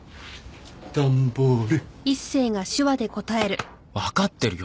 段ボール！